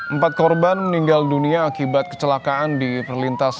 empat korban meninggal dunia akibat kecelakaan di perlintasan